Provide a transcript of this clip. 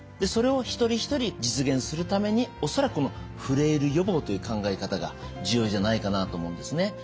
それを一人一人実現するために恐らくこのフレイル予防という考え方が重要じゃないかなと思うんですね。